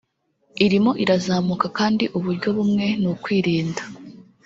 Irimo irazamuka kandi uburyo bumwe ni ukwirinda